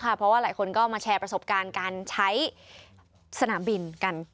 เพราะว่าหลายคนก็มาแชร์ประสบการณ์การใช้สนามบินกัน